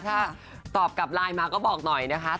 ถ้าตอบกับไลน์มาก็บอกหน่อยนะคะ